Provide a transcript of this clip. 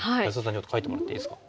ちょっと書いてもらっていいですか？